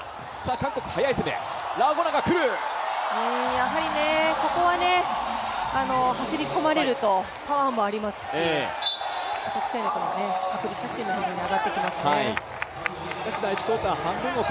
やはりここは走り込まれるとパワーもありますし、得点力の確率も非常に上がってきますね。